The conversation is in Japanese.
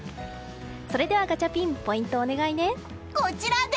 それではガチャピンポイントをお願いね。